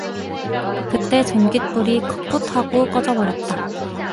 그때 전깃불이 꺼풋 하고 꺼져 버렸다.